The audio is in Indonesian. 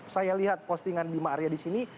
saya lihat postingan bima arya di sini